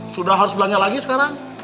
sudah harus belanja lagi sekarang